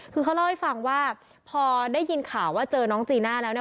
คือเขาเล่าให้ฟังว่าพอได้ยินข่าวว่าเจอน้องจีน่าแล้วเนี่ย